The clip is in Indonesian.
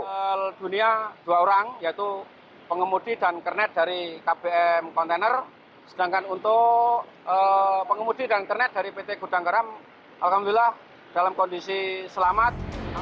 meninggal dunia dua orang yaitu pengemudi dan kernet dari kbm kontainer sedangkan untuk pengemudi dan kernet dari pt gudang garam alhamdulillah dalam kondisi selamat